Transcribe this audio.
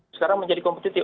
sekarang menjadi kompetitif